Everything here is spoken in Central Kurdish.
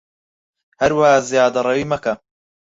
هەروەها زیادەڕەویی مەکە